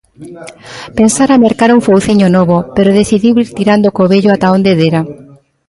Pensara mercar un fouciño novo, pero decidiu ir tirando co vello ata onde dera.